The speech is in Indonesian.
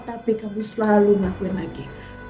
tapi kamu selalu ngelakuin lagi